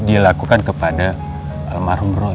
dilakukan kepada almarhum roy